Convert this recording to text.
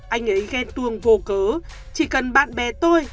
anh ấy ghen tuông vô cớ chỉ cần bạn bè tôi